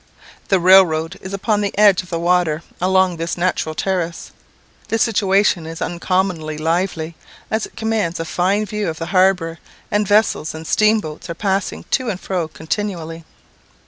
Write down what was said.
The rail road is upon the edge of the water along this natural terrace. The situation is uncommonly lively, as it commands a fine view of the harbour, and vessels and steamboats are passing to and fro continually.